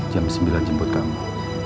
jam sembilan jemput kamu